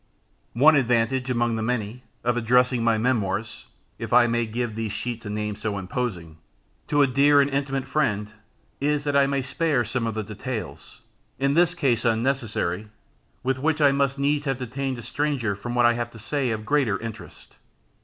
One advantage, among the many, of addressing my Memoirs (if I may give these sheets a name so imposing) to a dear and intimate friend, is, that I may spare some of the details, in this case unnecessary, with which I must needs have detained a stranger from what I have to say of greater interest.